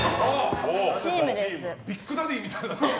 ビッグダディみたいな。